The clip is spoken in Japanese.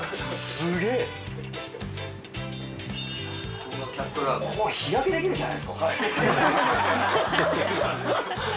すげえな。